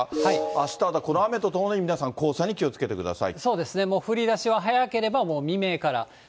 あした、この雨と共に皆さん、黄砂に気をつけてください。